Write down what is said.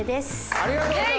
ありがとうございます。